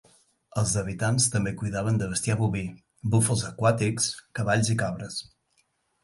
Els habitants també cuidaven de bestiar boví, búfals aquàtics, cavalls i cabres.